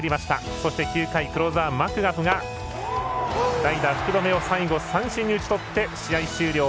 そして９回、クローザーマクガフが福留を最後三振に打ち取って試合終了。